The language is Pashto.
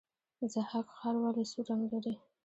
ضحاک ښار ولې سور رنګ لري؟